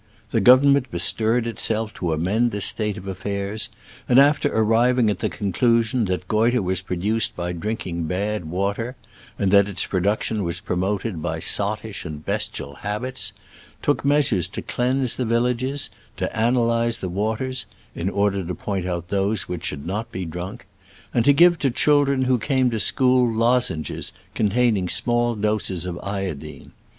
The government bestirred itself to amend this state of affairs, and after arriving at the conclusion that goitre was produced by drinking bad water (and that its produc tion was promoted by sottish and bestial habits), took measures to cleanse the villages, to analyze the waters (in order to point out those which should not be drunk), and to give to children who came to school lozenges containing small doses of iodine.